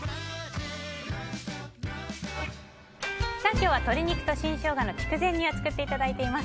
今日は、鶏肉と新ショウガの筑前煮を作っていただいています。